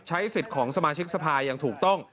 สิทธิ์ของสมาชิกสภาอย่างถูกต้อง